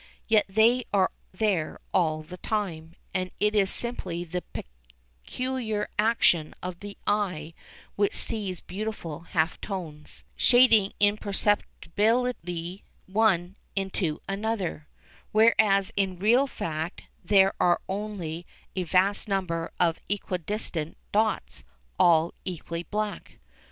Yet they are there all the time, and it is simply the peculiar action of the eye which sees beautiful half tones, shading imperceptibly one into another, whereas in real fact there are only a vast number of equidistant dots, all equally black.